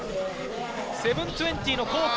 ７２０のコーク。